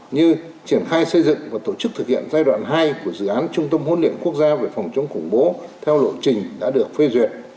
như triển khai xây dựng và tổ chức thực hiện giai đoạn hai của dự án trung tâm huấn luyện quốc gia về phòng chống khủng bố theo lộ trình đã được phê duyệt